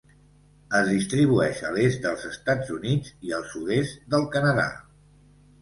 Es distribueix a l'est dels Estats Units i al sud-est del Canadà.